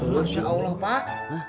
masya allah pak